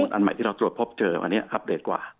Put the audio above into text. อันใหม่ที่เราตรวจพบเจอวันนี้อัปเดตกว่า